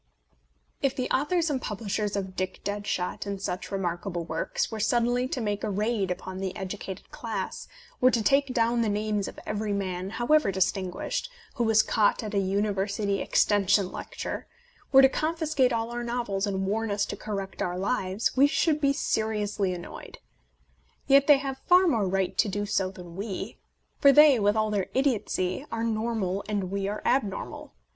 If the authors and publishers of '* Dick Deadshot," and such remarkable works were suddenly to make a raid upon the educated class, were to take down the names of every man, however distinguished, who was caught at a University Extension Lecture, were to confiscate all our novels and warn us all to correct our lives, we should be seriously annoyed. Yet they have far more right to do so than we ; for they, with all their idiotcy, are normal and we are abnormal.